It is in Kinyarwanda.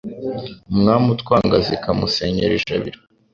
Umwami utwanga zikamusenyera ijabiro